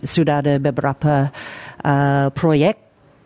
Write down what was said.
sudah ada beberapa proyek